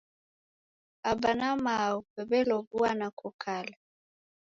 Aba na mao w'elow'uana kokala